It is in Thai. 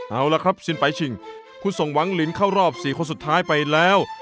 เอาละครับสินไปชิงคุณส่งหวังลินเข้ารอบ๔คนสุดท้ายไปแล้ว